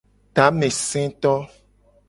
Tameseto.